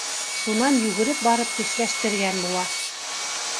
Шунан йүгереп барып тешләштергән була.